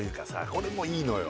これもいいのよ